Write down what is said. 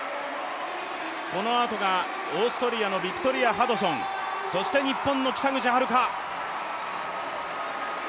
このあとがオーストリアのビクトリア・ハドソンそして日本の北口榛花。